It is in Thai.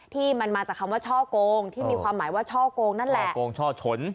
ที่มันมาจากคำว่าช่อโกงที่มีความหมายว่าช่อโกงนั่นแหละช่อโกงช่อชน